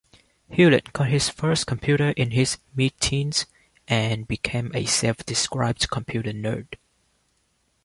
Hewlett got his first computer in his mid-teens and became a self-described "computer nerd".